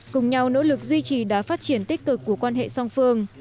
cùng nhau nỗ lực duy trì đá phát triển tích cực của quan hệ song phương